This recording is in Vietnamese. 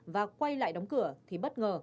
và quay lại đóng cửa thì bất ngờ